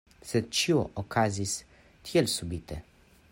Sed ĉio okazis tielsubite.